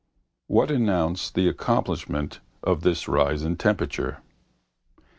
What announced the accomplishment of this rise in temperature?